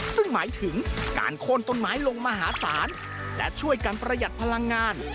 ซึ่งหมายถึงการโค้นต้นไม้ลงมหาศาลและช่วยกันประหยัดพลังงาน